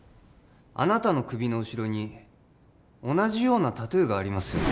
あなたの首の後ろに同じようなタトゥーがありますよね？